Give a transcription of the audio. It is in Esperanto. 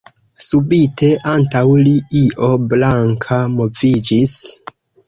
Subite antaŭ li io blanka moviĝis.